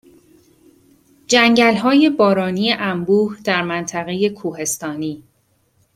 جنگلهای بارانی انبوه در منطقه کوهستانی